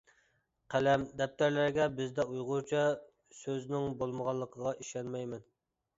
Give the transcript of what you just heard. قەلەم، دەپتەرلەرگە بىزدە ئۇيغۇرچە سۆزنىڭ بولمىغانلىقىغا ئىشەنمەيمەن.